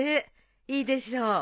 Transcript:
いいでしょ。